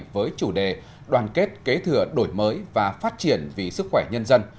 với chủ đề đoàn kết kế thừa đổi mới và phát triển vì sức khỏe nhân dân